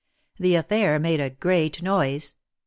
The affair made a great noise.